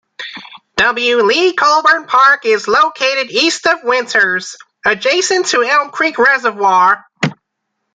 W. Lee Colburn Park is located east of Winters, adjacent to Elm Creek Reservoir.